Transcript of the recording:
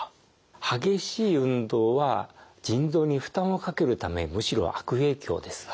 激しい運動は腎臓に負担をかけるためむしろ悪影響です。